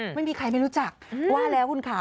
ไม่มีใครไม่รู้จักว่าแล้วคุณค่ะ